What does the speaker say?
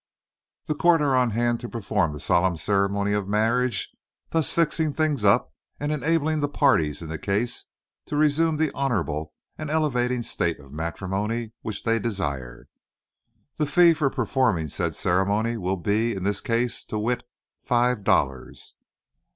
The co't air on hand to perform the solemn ceremony of marri'ge, thus fixin' things up and enablin' the parties in the case to resume the honour'ble and elevatin' state of mattermony which they desires. The fee fur performin' said ceremony will be, in this case, to wit, five dollars."